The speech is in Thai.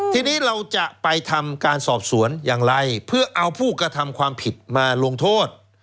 ทีนี้เราจะไปทำการสอบสวนอย่างไรเพื่อเอาผู้กระทำความผิดมาลงโทษ